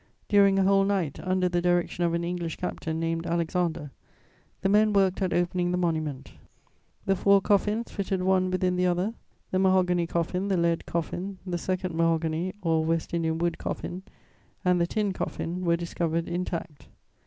During a whole night, under the direction of an English captain named Alexander, the men worked at opening the monument. The four coffins fitted one within the other, the mahogany coffin, the lead coffin, the second mahogany or West Indian wood coffin, and the tin coffin, were discovered intact.